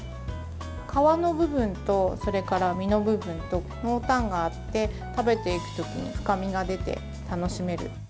皮の部分と実の部分と濃淡があって食べていく時に深みが出て楽しめる。